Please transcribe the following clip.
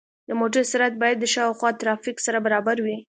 د موټرو سرعت باید د شاوخوا ترافیک سره برابر وي.